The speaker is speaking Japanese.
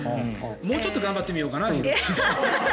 もうちょっと頑張ってみようかな。